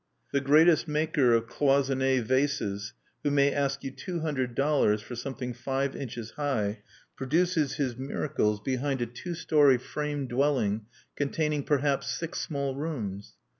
The greatest maker of cloisonne vases, who may ask you two hundred dollars for something five inches high, produces his miracles behind a two story frame dwelling containing perhaps six small rooms.